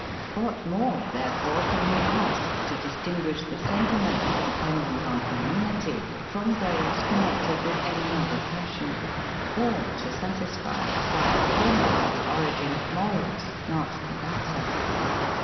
What more, therefore, can we ask to distinguish the sentiments, dependent on humanity, from those connected with any other passion, or to satisfy us, why the former are the origin of morals, not the latter?